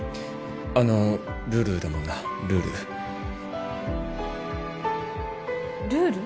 あのルールだもんなルールルール？